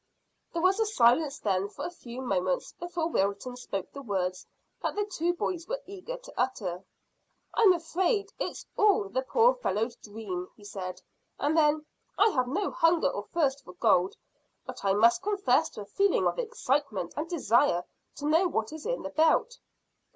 There was silence then for a few moments before Wilton spoke the words that the two boys were eager to utter. "I'm afraid it's all the poor fellow's dream," he said. And then, "I have no hunger or thirst for gold, but I must confess to a feeling of excitement and desire to know what is in the belt."